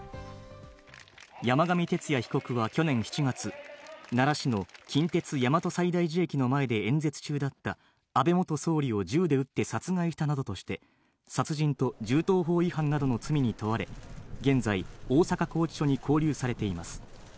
山上徹也被告は去年７月、奈良市の近鉄大和西大寺駅の前で演説中だった安倍元総理を銃で撃って殺害したなどとして、殺人と銃刀法違反などの罪に問われ、現在、大阪拘置所に勾留されています。